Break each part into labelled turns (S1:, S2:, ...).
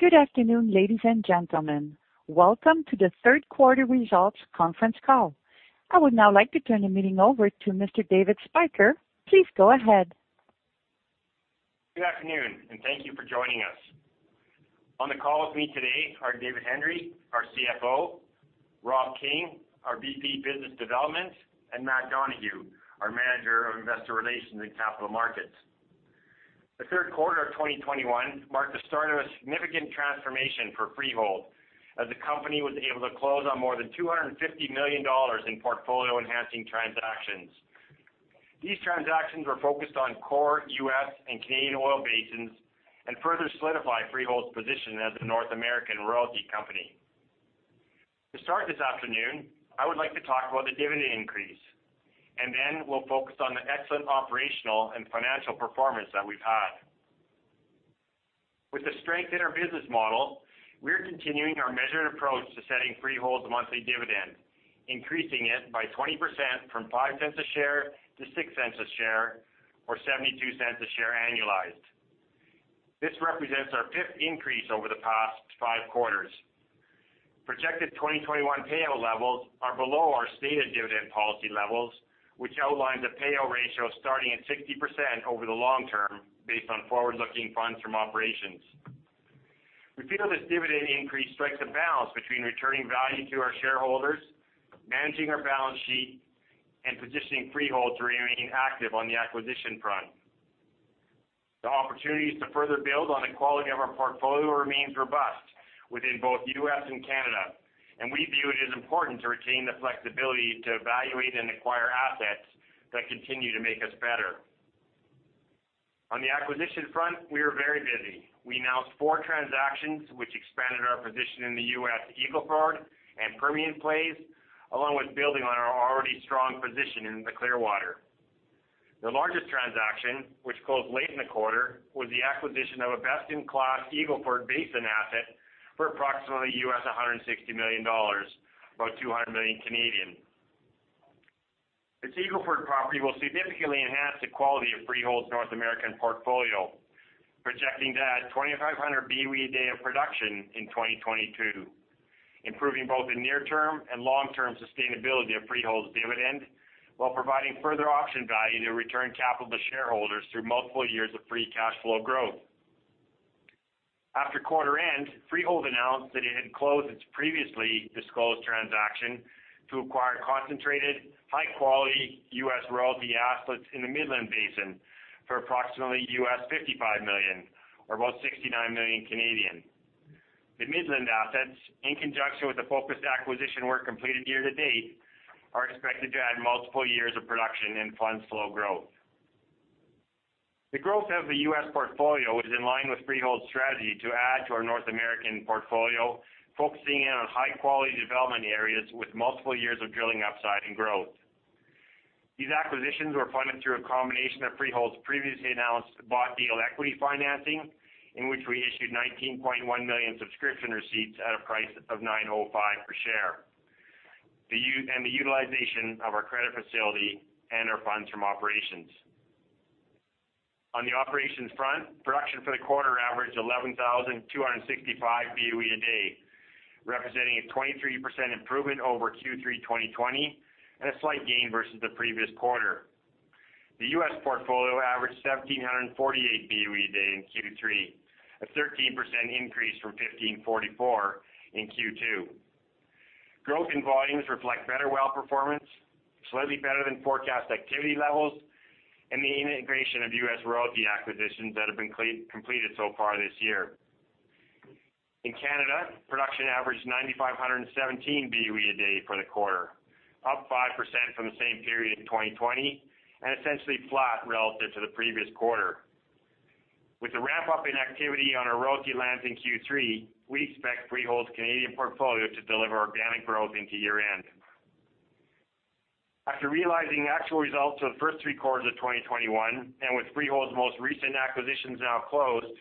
S1: Good afternoon, ladies and gentlemen. Welcome to the third quarter results conference call. I would now like to turn the meeting over to Mr. David Spyker. Please go ahead.
S2: Good afternoon, and thank you for joining us. On the call with me today are David Hendry, our CFO, Rob King, our VP Business Development, and Matt Donohue, our Manager of Investor Relations and Capital Markets. The third quarter of 2021 marked the start of a significant transformation for Freehold, as the company was able to close on more than 250 million dollars in portfolio-enhancing transactions. These transactions were focused on core U.S. and Canadian oil basins and further solidify Freehold's position as a North American royalty company. To start this afternoon, I would like to talk about the dividend increase, and then we'll focus on the excellent operational and financial performance that we've had. With the strength in our business model, we're continuing our measured approach to setting Freehold's monthly dividend, increasing it by 20% from 0.05 per share to 0.06 per share, or 0.72 per share annualized. This represents our fifth increase over the past 5 quarters. Projected 2021 payout levels are below our stated dividend policy levels, which outlined the payout ratio starting at 60% over the long term based on forward-looking Funds from Operations. We feel this dividend increase strikes a balance between returning value to our shareholders, managing our balance sheet, and positioning Freehold to remain active on the acquisition front. The opportunities to further build on the quality of our portfolio remains robust within both U.S. and Canada, and we view it as important to retain the flexibility to evaluate and acquire assets that continue to make us better. On the acquisition front, we are very busy. We announced four transactions which expanded our position in the U.S. Eagle Ford and Permian plays, along with building on our already strong position in the Clearwater. The largest transaction, which closed late in the quarter, was the acquisition of a best-in-class Eagle Ford Basin asset for approximately $160 million, CAD 200 million. This Eagle Ford property will significantly enhance the quality of Freehold's North American portfolio, projecting to add 2,500 BOE a day of production in 2022, improving both the near-term and long-term sustainability of Freehold's dividend while providing further option value to return capital to shareholders through multiple years of free cash flow growth. After quarter end, Freehold announced that it had closed its previously disclosed transaction to acquire concentrated, high-quality U.S. royalty assets in the Midland Basin for approximately $55 million, or about 69 million. The Midland assets, in conjunction with the focused acquisition work completed year to date, are expected to add multiple years of production and funds flow growth. The growth of the U.S. portfolio is in line with Freehold's strategy to add to our North American portfolio, focusing in on high-quality development areas with multiple years of drilling upside and growth. These acquisitions were funded through a combination of Freehold's previously announced bought deal equity financing, in which we issued 19.1 million subscription receipts at a price of $9.05 per share, the utilization of our credit facility and our funds from operations. On the operations front, production for the quarter averaged 11,265 BOE a day, representing a 23% improvement over Q3 2020 and a slight gain versus the previous quarter. The U.S. portfolio averaged 1,748 BOE a day in Q3, a 13% increase from 1,544 in Q2. Growth in volumes reflect better well performance, slightly better than forecast activity levels, and the integration of U.S. royalty acquisitions that have been completed so far this year. In Canada, production averaged 9,517 BOE a day for the quarter, up 5% from the same period in 2020 and essentially flat relative to the previous quarter. With the ramp-up in activity on our royalty lands in Q3, we expect Freehold's Canadian portfolio to deliver organic growth into year-end. After realizing actual results for the first three quarters of 2021, and with Freehold's most recent acquisitions now closed,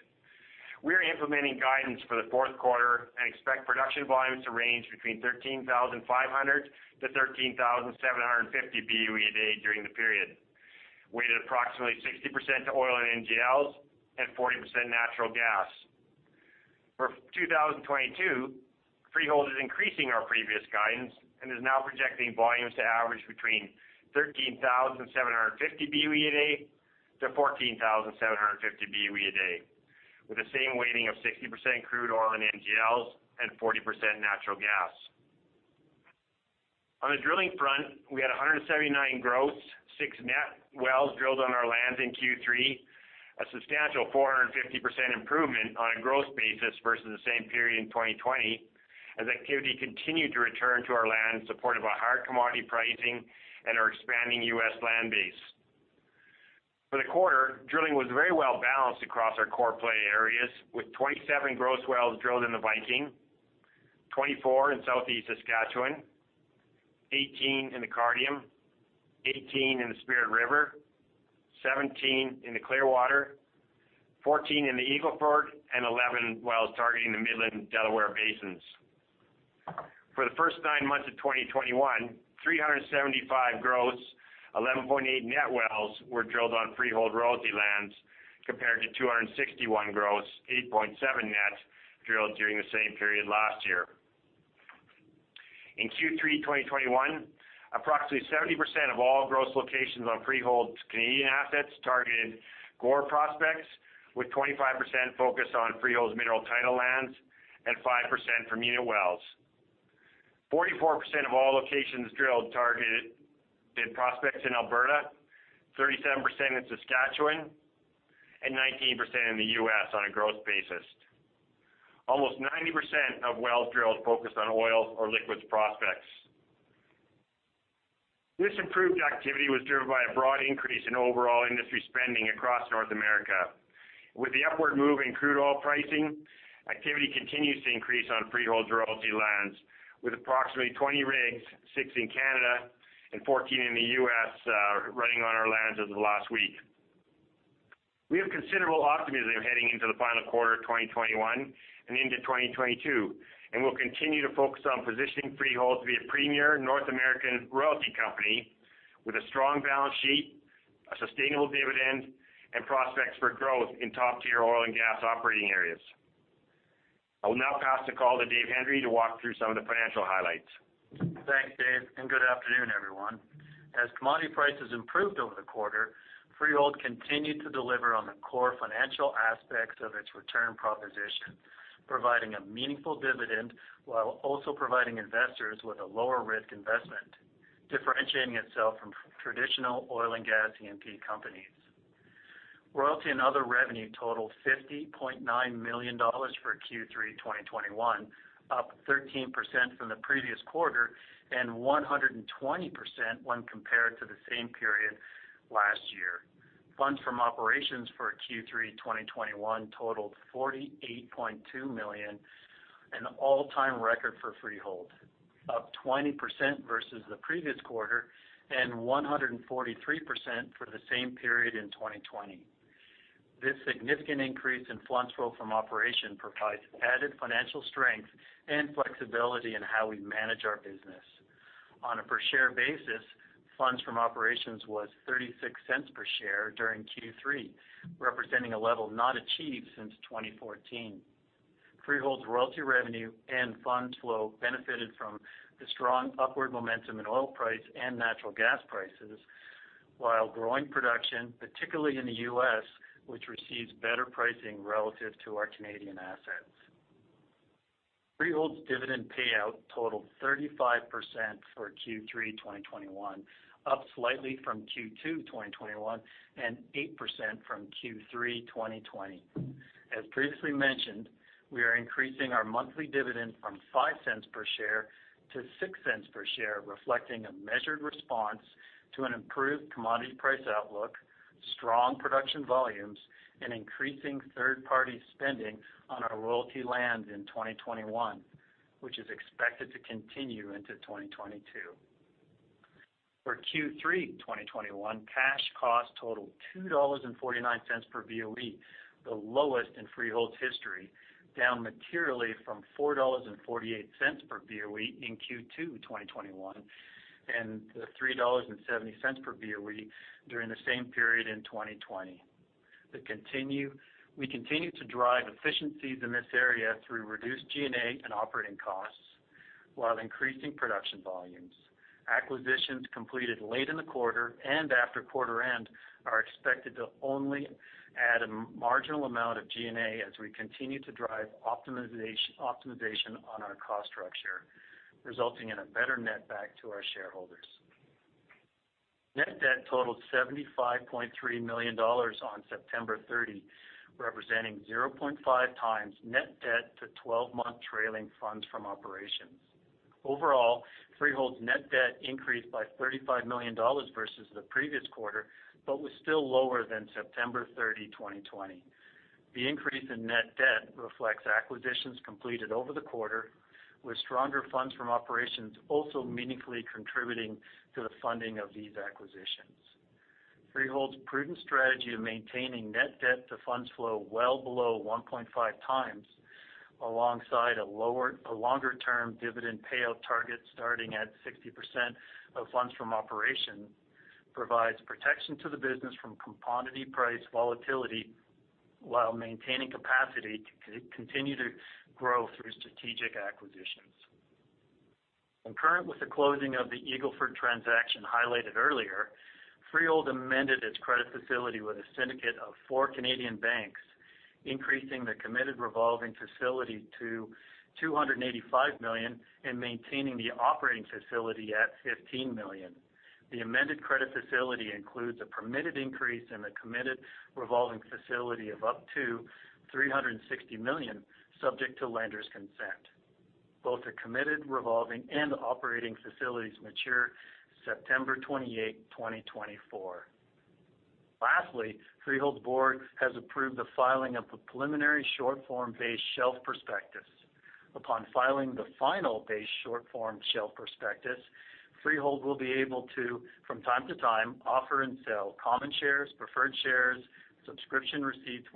S2: we are implementing guidance for the fourth quarter and expect production volumes to range between 13,500-13,750 BOE a day during the period, weighted approximately 60% to oil and NGLs and 40% natural gas. For 2022, Freehold is increasing our previous guidance and is now projecting volumes to average between 13,750 BOE a day to 14,750 BOE a day, with the same weighting of 60% crude oil and NGLs and 40% natural gas. On the drilling front, we had 179 gross, 6 net wells drilled on our lands in Q3, a substantial 450% improvement on a gross basis versus the same period in 2020, as activity continued to return to our land in support of a higher commodity pricing and our expanding U.S. land base. For the quarter, drilling was very well-balanced across our core play areas with 27 gross wells drilled in the Viking, 24 in Southeast Saskatchewan, 18 in the Cardium, 18 in the Spirit River, 17 in the Clearwater, 14 in the Eagle Ford, and 11 wells targeting the Midland and Delaware basins. For the first nine months of 2021, 375 gross, 11.8 net wells were drilled on Freehold Royalties lands, compared to 261 gross, 8.7 net drilled during the same period last year. In Q3 2021, approximately 70% of all gross locations on Freehold's Canadian assets targeted core prospects, with 25% focused on Freehold's mineral title lands and 5% from unit wells. 44% of all locations drilled targeted the prospects in Alberta, 37% in Saskatchewan and 19% in the U.S. on a gross basis. Almost 90% of wells drilled focused on oil or liquids prospects. This improved activity was driven by a broad increase in overall industry spending across North America. With the upward move in crude oil pricing, activity continues to increase on Freehold's royalty lands, with approximately 20 rigs, six in Canada and 14 in the U.S., running on our lands over the last week. We have considerable optimism heading into the final quarter of 2021 and into 2022, and we'll continue to focus on positioning Freehold to be a premier North American royalty company with a strong balance sheet, a sustainable dividend, and prospects for growth in top-tier oil and gas operating areas. I will now pass the call to Dave Hendry to walk through some of the financial highlights.
S3: Thanks, Dave, and good afternoon, everyone. As commodity prices improved over the quarter, Freehold continued to deliver on the core financial aspects of its return proposition, providing a meaningful dividend while also providing investors with a lower risk investment, differentiating itself from traditional oil and gas E&P companies. Royalty and other revenue totaled 50.9 million dollars for Q3 2021, up 13% from the previous quarter and 120% when compared to the same period last year. Funds from Operations for Q3 2021 totaled 48.2 million, an all-time record for Freehold, up 20% versus the previous quarter and 143% for the same period in 2020. This significant increase in Funds from Operations provides added financial strength and flexibility in how we manage our business. On a per-share basis, Funds from Operations was 0.36 per share during Q3, representing a level not achieved since 2014. Freehold's royalty revenue and funds flow benefited from the strong upward momentum in oil price and natural gas prices while growing production, particularly in the U.S., which receives better pricing relative to our Canadian assets. Freehold's dividend payout totaled 35% for Q3 2021, up slightly from Q2 2021 and 8% from Q3 2020. As previously mentioned, we are increasing our monthly dividend from 0.05 per share to 0.06 per share, reflecting a measured response to an improved commodity price outlook, strong production volumes, and increasing third-party spending on our royalty land in 2021, which is expected to continue into 2022. For Q3 2021, cash cost totaled 2.49 dollars per BOE, the lowest in Freehold's history, down materially from 4.48 dollars per BOE in Q2 2021 and 3.70 dollars per BOE during the same period in 2020. We continue to drive efficiencies in this area through reduced G&A and operating costs while increasing production volumes. Acquisitions completed late in the quarter and after quarter end are expected to only add a marginal amount of G&A as we continue to drive optimization on our cost structure, resulting in a better netback to our shareholders. Net debt totaled 75.3 million dollars on September 30, representing 0.5 times net debt to twelve-month trailing funds from operations. Overall, Freehold's net debt increased by 35 million dollars versus the previous quarter, but was still lower than September 30, 2020. The increase in net debt reflects acquisitions completed over the quarter, with stronger funds from operations also meaningfully contributing to the funding of these acquisitions. Freehold's prudent strategy of maintaining net debt to funds flow well below 1.5 times alongside a longer-term dividend payout target starting at 60% of funds from operations provides protection to the business from commodity price volatility while maintaining capacity to continue to grow through strategic acquisitions. Concurrent with the closing of the Eagle Ford transaction highlighted earlier, Freehold amended its credit facility with a syndicate of four Canadian banks, increasing the committed revolving facility to 285 million and maintaining the operating facility at 15 million. The amended credit facility includes a permitted increase in the committed revolving facility of up to 360 million, subject to lender's consent. Both the committed revolving and operating facilities mature September 28, 2024. Lastly, Freehold's board has approved the filing of the preliminary short form base shelf prospectus. Upon filing the final base short form shelf prospectus, Freehold will be able to, from time to time, offer and sell common shares, preferred shares, subscription receipts,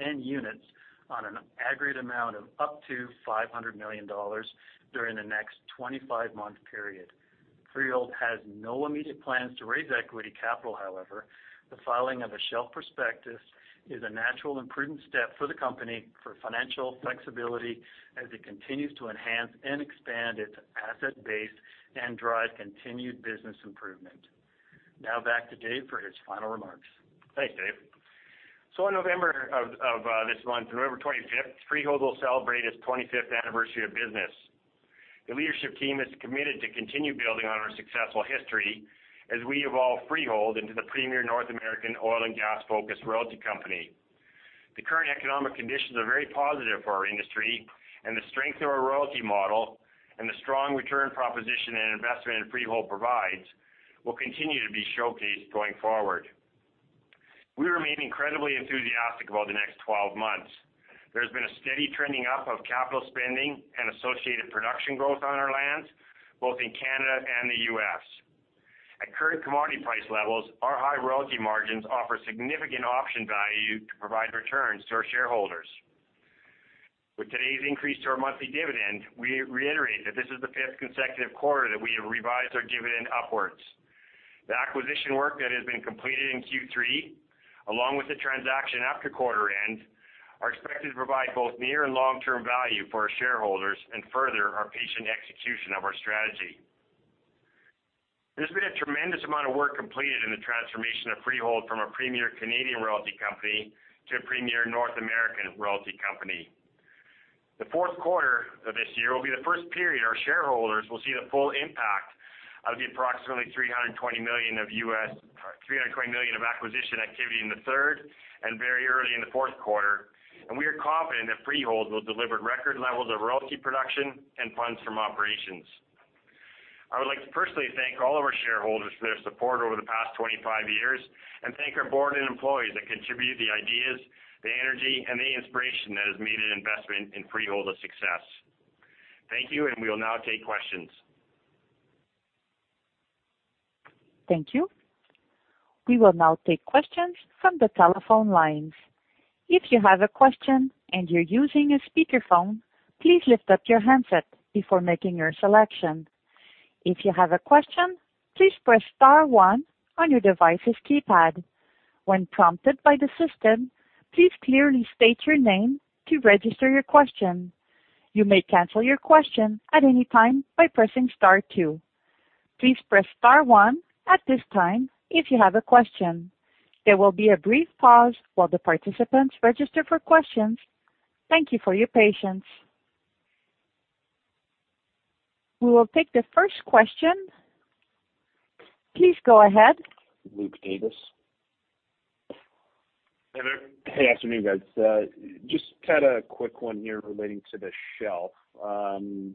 S3: and units on an ongoing amount of up to 500 million dollars during the next 25-month period. Freehold has no immediate plans to raise equity capital, however. The filing of a shelf prospectus is a natural and prudent step for the company for financial flexibility as it continues to enhance and expand its asset base and drive continued business improvement. Now back to Dave for his final remarks. Thanks, Dave.
S2: In November of this month, November 25, Freehold will celebrate its 25th anniversary of business. The leadership team is committed to continue building on our successful history as we evolve Freehold into the premier North American oil and gas-focused royalty company. The current economic conditions are very positive for our industry and the strength of our royalty model and the strong return proposition and investment in Freehold provides will continue to be showcased going forward. We remain incredibly enthusiastic about the next 12 months. There's been a steady trending up of capital spending and associated production growth on our lands, both in Canada and the U.S. At current commodity price levels, our high royalty margins offer significant option value to provide returns to our shareholders. With today's increase to our monthly dividend, we reiterate that this is the fifth consecutive quarter that we have revised our dividend upwards. The acquisition work that has been completed in Q3, along with the transaction after quarter end, are expected to provide both near and long-term value for our shareholders and further our patient execution of our strategy. There's been a tremendous amount of work completed in the transformation of Freehold from a premier Canadian royalty company to a premier North American royalty company. The fourth quarter of this year will be the first period our shareholders will see the full impact of the approximately $320 million of acquisition activity in the third and very early in the fourth quarter, and we are confident that Freehold will deliver record levels of royalty production and Funds from Operations. I would like to personally thank all of our shareholders for their support over the past 25 years and thank our board and employees that contribute the ideas, the energy, and the inspiration that has made an investment in Freehold a success. Thank you, and we will now take questions.
S1: Thank you. We will now take questions from the telephone lines. If you have a question and you're using a speakerphone, please lift up your handset before making your selection. If you have a question, please press star one on your device's keypad. When prompted by the system, please clearly state your name to register your question. You may cancel your question at any time by pressing star two. Please press star one at this time if you have a question. There will be a brief pause while the participants register for questions. Thank you for your patience. We will take the first question. Please go ahead. Luke Davis.
S4: Hi there. Hey, afternoon, guys. Just had a quick one here relating to the shelf.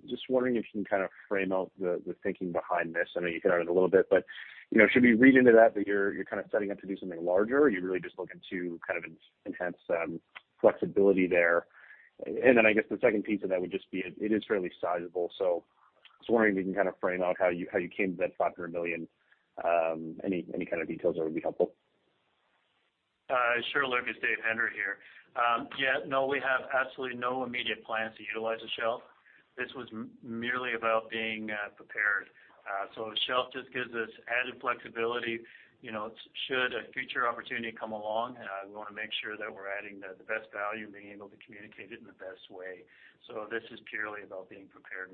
S4: Just wondering if you can kind of frame out the thinking behind this. I know you hit on it a little bit, but you know, should we read into that that you're kind of setting up to do something larger? Are you really just looking to kind of enhance flexibility there? Then I guess the second piece of that would just be it is fairly sizable. I was wondering if you can kind of frame out how you came to that 500 million. Any kind of details there would be helpful.
S3: Sure, Luke. It's David Hendry here. Yeah, no, we have absolutely no immediate plans to utilize the shelf. This was merely about being prepared. The shelf just gives us added flexibility, you know, should a future opportunity come along. We wanna make sure that we're adding the best value and being able to communicate it in the best way. This is purely about being prepared.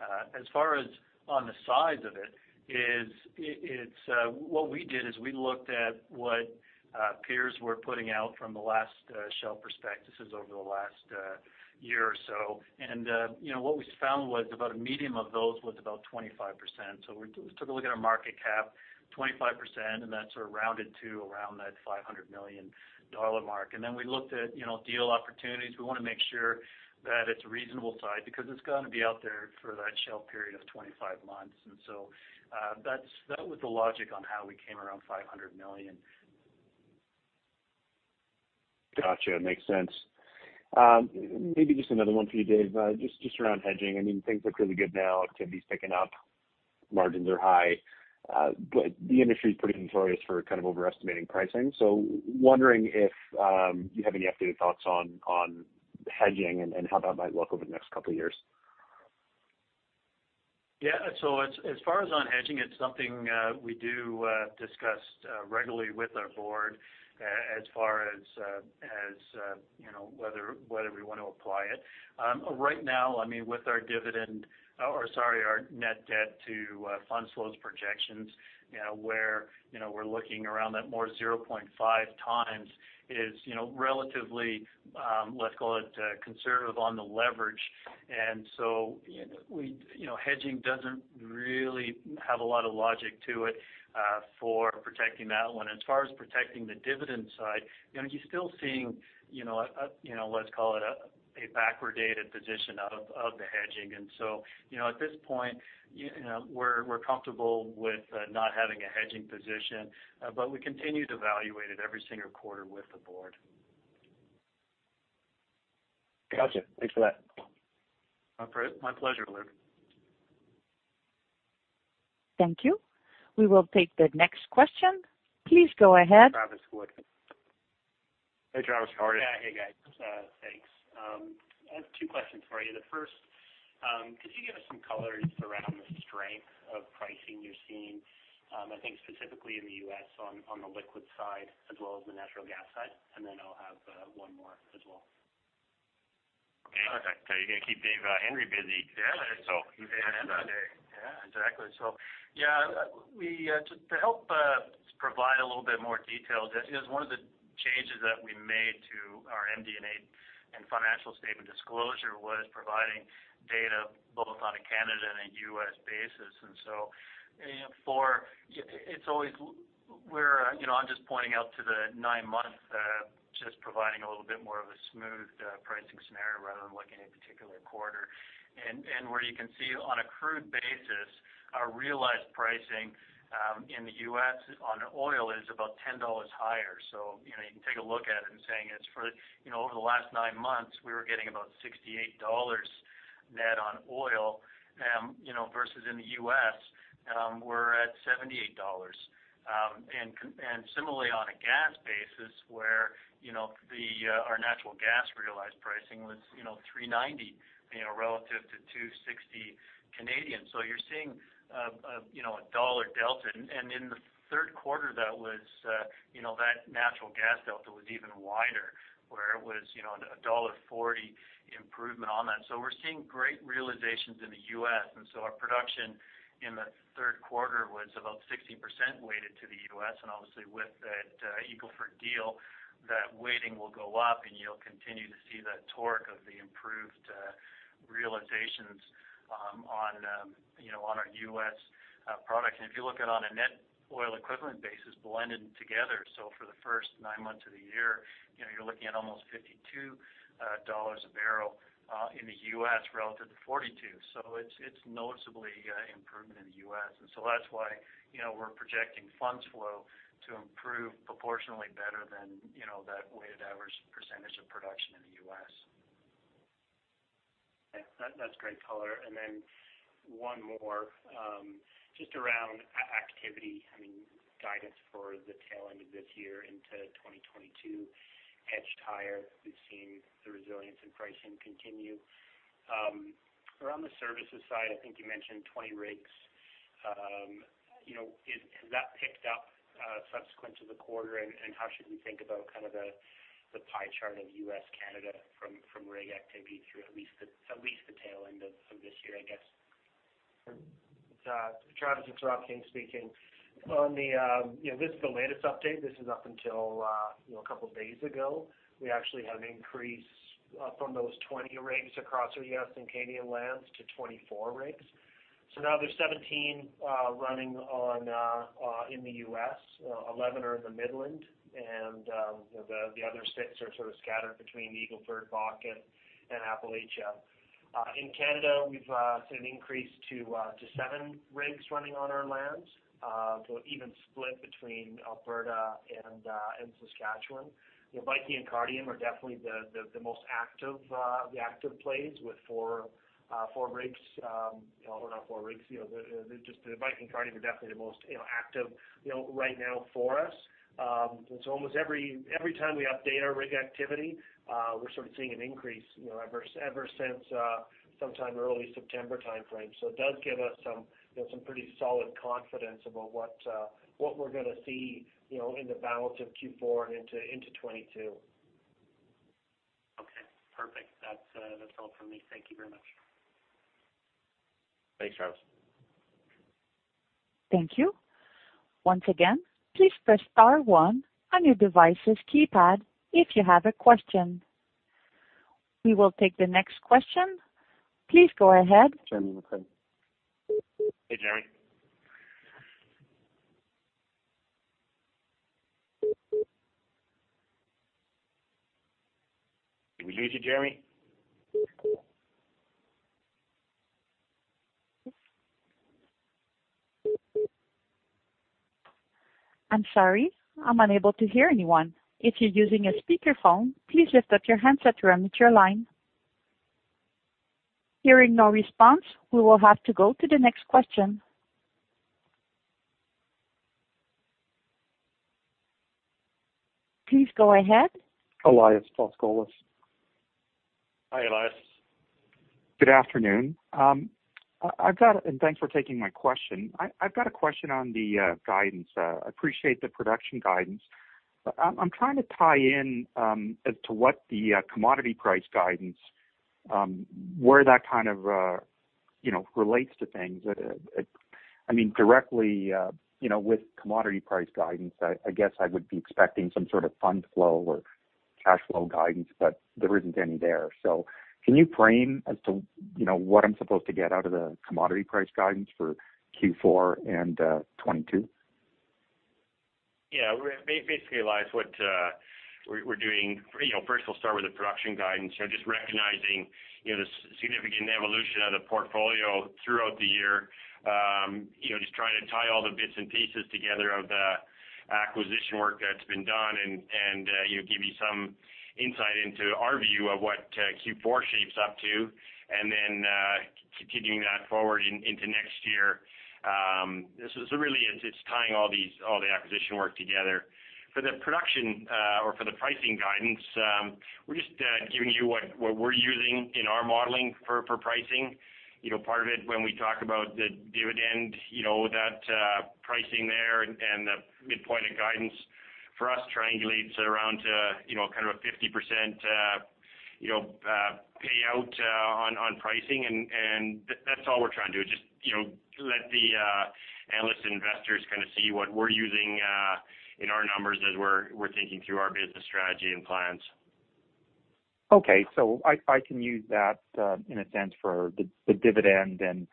S3: As far as on the size of it is. It, it's, what we did is we looked at what peers were putting out from the last shelf prospectuses over the last year or so. You know, what we found was about a median of those was about 25%. We took a look at our market cap, 25%, and that sort of rounded to around that 500 million dollar mark. We looked at, you know, deal opportunities. We wanna make sure that it's reasonable size because it's gonna be out there for that shelf period of 25 months. That was the logic on how we came around 500 million.
S4: Gotcha. Makes sense. Maybe just another one for you, Dave, just around hedging. I mean, things look really good now. Activity's picking up. Margins are high. But the industry's pretty notorious for kind of overestimating pricing. Wondering if you have any updated thoughts on hedging and how that might look over the next couple of years?
S3: As far as hedging, it's something we do discuss regularly with our board as far as you know whether we want to apply it. Right now, I mean, with our net debt to funds flow projections, you know, where we're looking around that more 0.5 times is, you know, relatively, let's call it, conservative on the leverage. You know, hedging doesn't really have a lot of logic to it for protecting that one. As far as protecting the dividend side, you know, you're still seeing, you know, a you know, let's call it a backwardated position out of the hedging. You know, at this point, you know, we're comfortable with not having a hedging position, but we continue to evaluate it every single quarter with the board.
S4: Gotcha. Thanks for that.
S3: My pleasure, Luke.
S1: Thank you. We will take the next question. Please go ahead. Travis Wood.
S5: Hey, Travis, how are you?
S6: Yeah. Hey, guys. Thanks. I have two questions for you. The first, could you give us some color just around the strength of pricing you're seeing, I think specifically in the U.S. on the liquid side as well as the natural gas side, and then I'll have one more as well.
S5: Okay. You're gonna keep David Hendry busy.
S6: Yeah. He's gonna have his day.
S3: Yeah, exactly. To help provide a little bit more detail, this is one of the changes that we made to our MD&A and financial statement disclosure, was providing data both on a Canada and a U.S. basis. You know, It's always, you know, I'm just pointing out the nine-month, just providing a little bit more of a smooth, pricing scenario rather than looking at a particular quarter. Where you can see on a crude basis, our realized pricing in the U.S. on oil is about 10 dollars higher. You know, you can take a look at it and saying it's for, you know, over the last nine months, we were getting about 68 dollars net on oil, you know, versus in the U.S., we're at 78 dollars. Similarly on a gas basis where you know our natural gas realized pricing was you know $3.90 you know relative to 2.60 Canadian. You're seeing you know a $1 delta. In the third quarter that was you know that natural gas delta was even wider where it was you know a $1.40 improvement on that. We're seeing great realizations in the U.S. and our production in the third quarter was about 60% weighted to the U.S. Obviously with that Eagle Ford deal that weighting will go up and you'll continue to see that torque of the improved realizations on you know on our U.S. product. If you look at on a net oil equivalent basis blended together, so for the first 9 months of the year, you know, you're looking at almost $52 a barrel in the US relative to 42. It's noticeably improved in the US. That's why, you know, we're projecting funds flow to improve proportionally better than, you know, that weighted average percentage of production in the US.
S6: Yeah. That's great color. Then one more just around activity, I mean, guidance for the tail end of this year into 2022. Hedged higher. We've seen the resilience in pricing continue. Around the services side, I think you mentioned 20 rigs. You know, has that picked up subsequent to the quarter? How should we think about kind of the pie chart of U.S., Canada from rig activity through at least the tail end of this year, I guess?
S5: Travis, it's Robert King speaking. You know, this is the latest update. This is up until you know, a couple days ago. We actually have increased from those 20 rigs across our U.S. and Canadian lands to 24 rigs. So now there's 17 running on in the U.S. Eleven are in the Midland, and the other six are sort of scattered between Eagle Ford, Bakken, and Appalachia. In Canada, we've seen an increase to seven rigs running on our lands, so even split between Alberta and Saskatchewan. You know, Viking and Cardium are definitely the most active plays with four rigs. Or not four rigs, you know, just the Viking, Cardium are definitely the most, you know, active, you know, right now for us. Almost every time we update our rig activity, we're sort of seeing an increase, you know, ever since sometime early September timeframe. It does give us some, you know, some pretty solid confidence about what we're gonna see, you know, in the balance of Q4 and into 2022.
S6: Okay, perfect. That's all from me. Thank you very much.
S5: Thanks, Travis.
S1: Thank you. Once again, please press star one on your device's keypad if you have a question. We will take the next question. Please go ahead. Josef Schachter.
S5: Hey, Josef. Did we lose you, Josef?
S1: I'm sorry. I'm unable to hear anyone. If you're using a speakerphone, please lift up your handset to unmute your line. Hearing no response, we will have to go to the next question. Please go ahead. Elias Foscolos.
S5: Hi, Elias.
S7: Good afternoon. Thanks for taking my question. I've got a question on the guidance. Appreciate the production guidance. I'm trying to tie in, as to what the commodity price guidance, where that kind of, you know, relates to things. I mean, directly, you know, with commodity price guidance, I guess I would be expecting some sort of fund flow or cash flow guidance, but there isn't any there. Can you frame as to, you know, what I'm supposed to get out of the commodity price guidance for Q4 and 2022?
S2: Yeah. Basically, Elias, what we're doing, you know, first we'll start with the production guidance. You know, just recognizing, you know, the significant evolution of the portfolio throughout the year. You know, just trying to tie all the bits and pieces together of th acquisition work that's been done and you know give you some insight into our view of what Q4 shapes up to and then continuing that forward into next year. This is really it's tying all the acquisition work together. For the production or for the pricing guidance we're just giving you what we're using in our modeling for pricing. You know part of it when we talk about the dividend you know that pricing there and the midpoint of guidance for us triangulates around you know kind of a 50% payout on pricing and that's all we're trying to do. Just, you know, let the analysts and investors kinda see what we're using in our numbers as we're thinking through our business strategy and plans.
S7: Okay. I can use that in a sense for the dividend and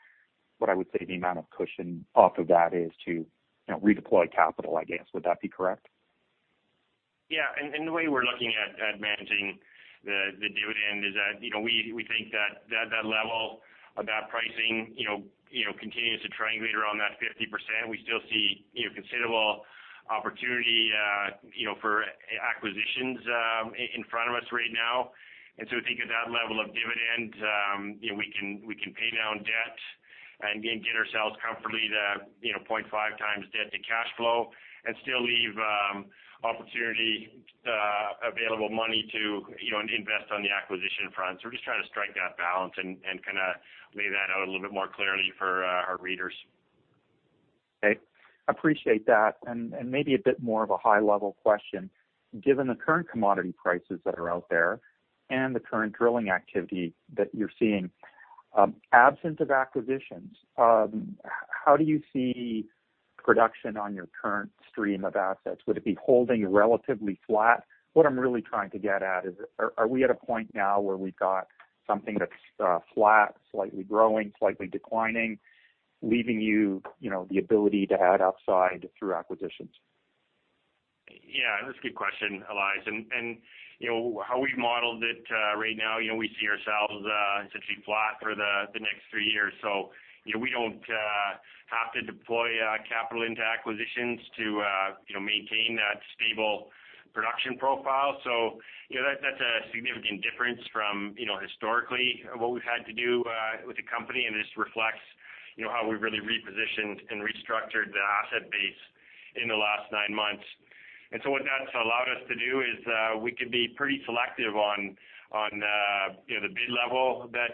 S7: what I would say the amount of cushion off of that is to, you know, redeploy capital, I guess. Would that be correct?
S2: The way we're looking at managing the dividend is that, you know, we think that level of that pricing, you know, continues to triangulate around that 50%. We still see, you know, considerable opportunity, you know, for acquisitions in front of us right now. We think at that level of dividend, you know, we can pay down debt and get ourselves comfortably to 0.5 times debt to cash flow and still leave opportunity available money to, you know, invest on the acquisition front. We're just trying to strike that balance and kinda lay that out a little bit more clearly for our readers.
S7: Okay. Appreciate that. And maybe a bit more of a high level question. Given the current commodity prices that are out there and the current drilling activity that you're seeing, absence of acquisitions, how do you see production on your current stream of assets? Would it be holding relatively flat? What I'm really trying to get at is are we at a point now where we've got something that's flat, slightly growing, slightly declining, leaving you know, the ability to add upside through acquisitions?
S2: Yeah. That's a good question, Elias. You know, how we've modeled it, right now, you know, we see ourselves essentially flat for the next three years. You know, we don't have to deploy capital into acquisitions to, you know, maintain that stable production profile. You know, that's a significant difference from, you know, historically what we've had to do with the company, and it just reflects, you know, how we've really repositioned and restructured the asset base in the last nine months. What that's allowed us to do is we can be pretty selective on the bid level that,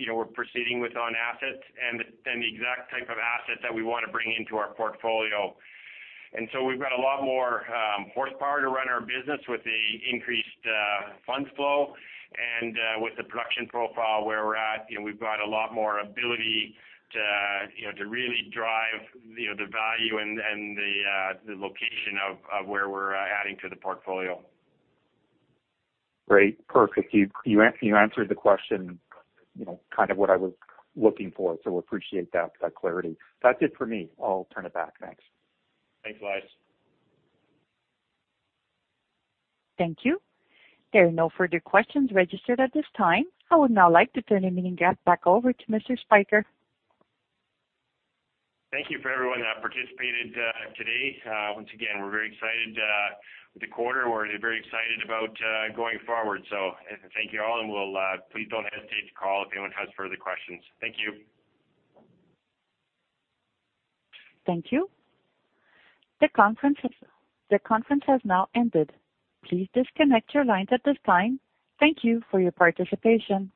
S2: you know, we're proceeding with on assets and the exact type of assets that we wanna bring into our portfolio. We've got a lot more horsepower to run our business with the increased funds flow and with the production profile where we're at, you know, we've got a lot more ability to really drive you know the value and the location of where we're adding to the portfolio.
S7: Great. Perfect. You answered the question, you know, kind of what I was looking for, so appreciate that clarity. That's it for me. I'll turn it back. Thanks.
S2: Thanks, Elias.
S1: Thank you. There are no further questions registered at this time. I would now like to turn the meeting back over to Mr. Spyker.
S2: Thank you for everyone that participated today. Once again, we're very excited with the quarter. We're very excited about going forward. Thank you all, and please don't hesitate to call if anyone has further questions. Thank you.
S1: Thank you. The conference has now ended. Please disconnect your lines at this time. Thank you for your participation.